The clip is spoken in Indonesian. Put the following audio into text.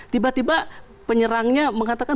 tiba tiba penyerangnya mengatakan